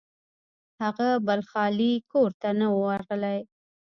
هغه بل خالي کور ته نه و ورغلی.